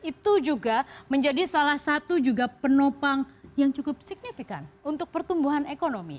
itu juga menjadi salah satu juga penopang yang cukup signifikan untuk pertumbuhan ekonomi